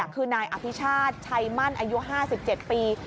คือนายอภิชาติชัยมั่นอายุ๕๗ปี